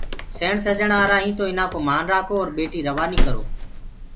سيڻ سڃڻ آرآ هينٚ تو اُنا ڪو مان رآکو اور ٻٽي روآني ڪرو۔